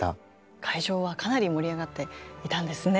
会場はかなり盛り上がっていたんですね。